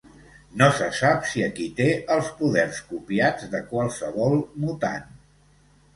No se sap si aquí té els poders copiats de qualsevol mutant.